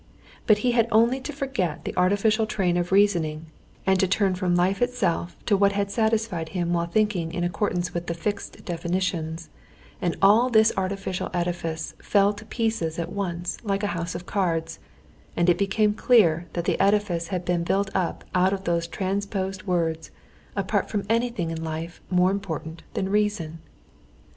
But he had only to forget the artificial train of reasoning, and to turn from life itself to what had satisfied him while thinking in accordance with the fixed definitions, and all this artificial edifice fell to pieces at once like a house of cards, and it became clear that the edifice had been built up out of those transposed words, apart from anything in life more important than reason.